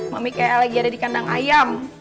mami kayak lagi ada di kandang ayam